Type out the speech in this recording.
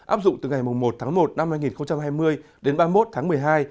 áp dụng từ ngày một một hai nghìn hai mươi đến ba mươi một một mươi hai hai nghìn hai mươi bốn